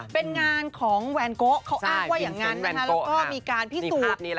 เป็นงานของแวนโกะเขาอ้างว่าอย่างนั้นนะคะแล้วก็มีการพิสูจน์